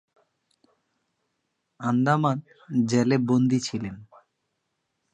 আন্দামান জেলে বন্দী ছিলেন।